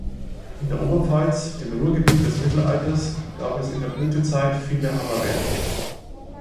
In der Oberpfalz, dem „Ruhrgebiet des Mittelalters“, gab es in der Blütezeit viele Hammerwerke.